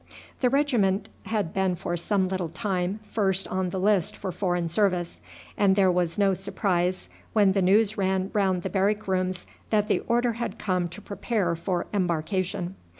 The regiment had been for some little time first on the list for foreign service, and there was no surprise when the news ran round the barrack rooms that the order had come to prepare for embarkation.